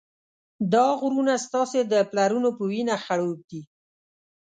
دا غرونه ستاسې د پلرونو په وینه خړوب دي.